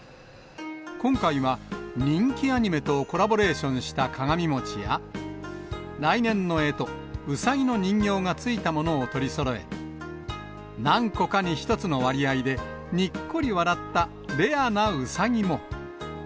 今回は、人気アニメとコラボレーションした鏡餅や、来年のえと、うさぎの人形がついたものを取りそろえ、何個かに１つの割合で、にっこり笑ったレアなうさぎも。